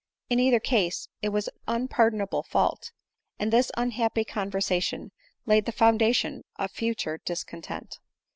In either case it was an unpardonable fault ; and this unhappy conversation laid the foundation of future discontent.